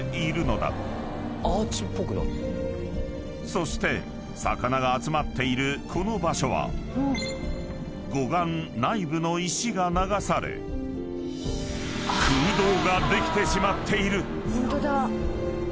［そして魚が集まっているこの場所は護岸内部の石が流され空洞ができてしまっている］